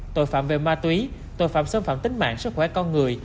tội phạm về ma túy tội phạm xâm phạm tính mạng sức khỏe con người